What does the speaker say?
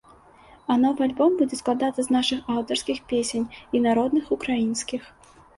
А новы альбом будзе складацца з нашых аўтарскіх песень і народных украінскіх.